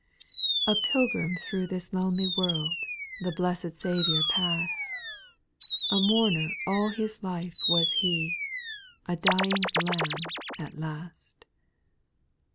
A PILGRIM through this lonely world, J\. The blessed Saviour pass'd ; A mourner all His life was He, A dying Lamb at last.